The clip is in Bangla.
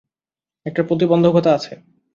একটা প্রতিবন্ধকতা আছে।